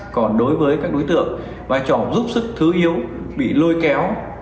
còn đối với các đối tượng vai trò giúp sức thứ yếu bị lôi kéo